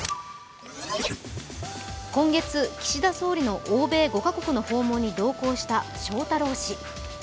今月、岸田総理の欧米５か国の訪問に同行した翔太郎氏。